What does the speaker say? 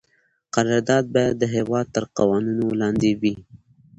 قرارداد باید د هیواد تر قوانینو لاندې وي.